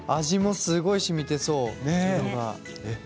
味もすごくしみていそう。